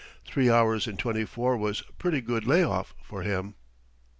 Three hours in twenty four was a pretty good lay off for him.